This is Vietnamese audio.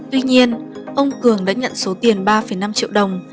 tuy nhiên ông cường đã nhận số tiền ba năm triệu đồng